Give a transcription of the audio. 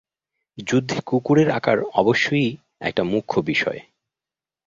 যুদ্ধে কুকুরের আকার অবশ্যই একটা মুখ্য বিষয়।